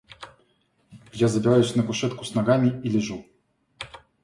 Я забираюсь на кушетку с ногами и лежу.